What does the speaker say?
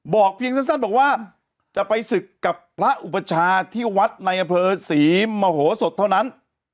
เพียงสั้นบอกว่าจะไปศึกกับพระอุปชาที่วัดในอำเภอศรีมโหสดเท่านั้น